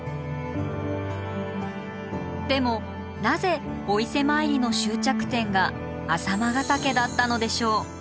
でもなぜお伊勢参りの終着点が朝熊ヶ岳だったのでしょう？